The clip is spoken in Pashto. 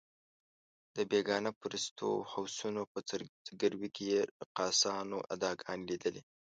د بېګانه پرستو هوسونو په ځګیروي کې یې رقاصانو اداګانې لیدلې.